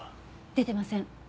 出てません。